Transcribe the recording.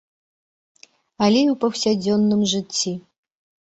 Але і ў паўсядзённым жыцці.